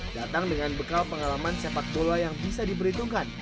datang dengan bekal pengalaman sepak bola yang bisa diperhitungkan